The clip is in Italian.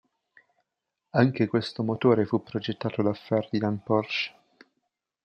Anche questo motore fu progettato da Ferdinand Porsche.